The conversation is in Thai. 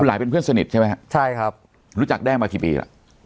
หลายเป็นเพื่อนสนิทใช่ไหมฮะใช่ครับรู้จักแด้งมากี่ปีแล้ว